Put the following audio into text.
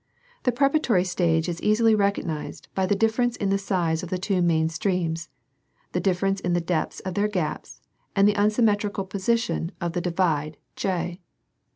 The preparatory stage is easily recognized by the difference in the size of the two main streams, the difference in the depth of their gaps, and the unsymmetrical jDosition of the divide, J.